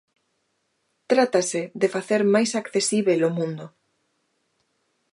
Trátase de facer máis accesíbel o mundo.